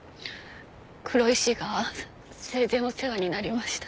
黒石が生前お世話になりました。